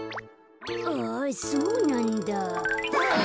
あっそうなんだ。